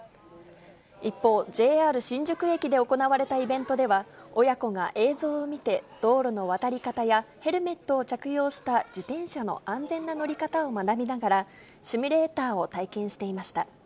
一方、ＪＲ新宿駅で行われたイベントでは、親子が映像を見て、道路の渡り方や、ヘルメットを着用した自転車の安全な乗り方を学びながら、シミュレーターを体験していました。